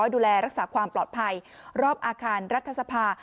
ดูแลรักษาความปลอดภัยรอบอาคารรัฐสภา